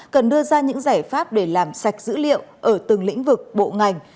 cần đưa ra những giải pháp để làm sạch dữ liệu ở từng lĩnh vực bộ ngành